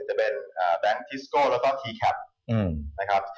จะเป็นเมอร์ไทธิปริยายประทิสโกแล้วเทย์แคป